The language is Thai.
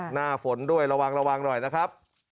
หน้าฝนด้วยระวังระวังหน่อยนะครับ